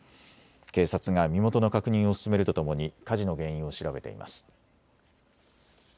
警察が身元の確認を進めるとともに火事の原因を調べています。